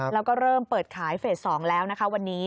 แล้วก็เริ่มเปิดขายเฟส๒แล้วนะคะวันนี้